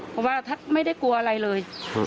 คาวว่าก็ไม่ได้กลัวอะไรเลย